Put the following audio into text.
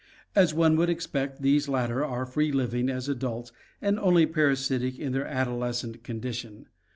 As one would expect, these latter are free living as adults and only parasitic in their adolescent condition.